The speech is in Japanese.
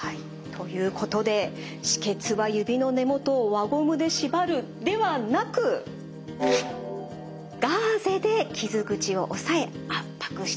ということで「止血は指の根元を輪ゴムでしばる」ではなくガーゼで傷口をおさえ圧迫してください。